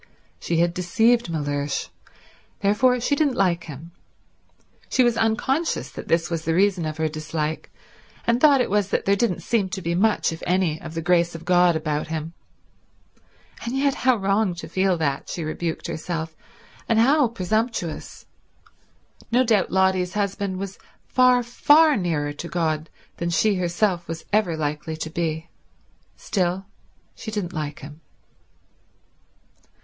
She had deceived Mellersh; therefore she didn't like him. She was unconscious that this was the reason of her dislike, and thought it was that there didn't seem to be much, if any, of the grace of god about him. And yet how wrong to feel that, she rebuked herself, and how presumptuous. No doubt Lotty's husband was far, far nearer to God than she herself was ever likely to be. Still, she didn't like him.